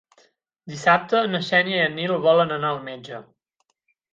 Dissabte na Xènia i en Nil volen anar al metge.